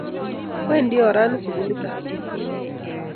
Wendi orani sukulit ap Chepkoilel